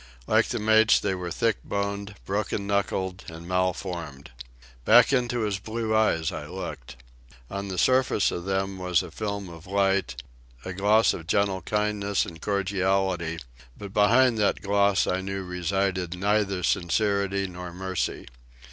Like the mate's, they were thick boned, broken knuckled, and malformed. Back into his blue eyes I looked. On the surface of them was a film of light, a gloss of gentle kindness and cordiality, but behind that gloss I knew resided neither sincerity nor mercy.